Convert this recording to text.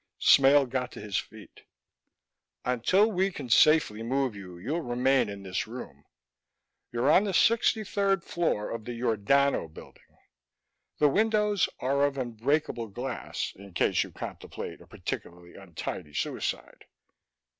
Smale got to his feet. "Until we can safely move you, you'll remain in this room. You're on the sixty third floor of the Yordano Building. The windows are of unbreakable glass, in case you contemplate a particularly untidy suicide.